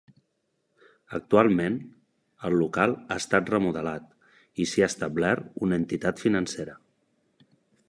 Actualment, el local ha estat remodelat i s'hi ha establert una entitat financera.